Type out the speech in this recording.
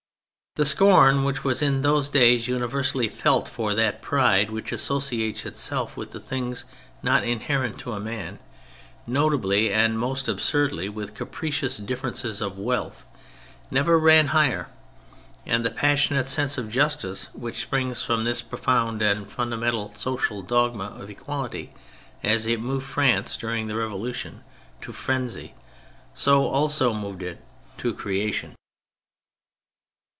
The scorn which was in those days univers ally felt for that pride which associates itself with things not inherent to a man (notably and most absurdly with capricious differences of wealth) never ran higher; and the passionate sense of justice which springs from this pro found and fundamental social dogma of equality, as it moved France during the Revolution to frenzy, so also moved it to creation.